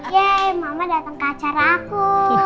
yey mama dateng ke acara aku